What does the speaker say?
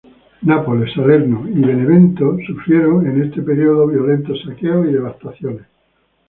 Nápoles, Salerno y Benevento sufrieron en este periodo violentos saqueos y devastaciones.